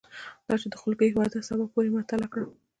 تا چې د خولګۍ وعده سبا پورې معطله کړه